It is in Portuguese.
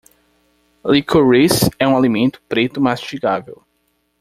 Licorice é um alimento preto mastigável.